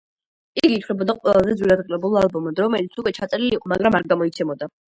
იგი ითვლებოდა ყველაზე ძვირადღირებულ ალბომად, რომელიც უკვე ჩაწერილი იყო, მაგრამ არ გამოიცემოდა.